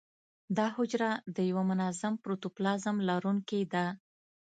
دا حجره د یو منظم پروتوپلازم لرونکې ده.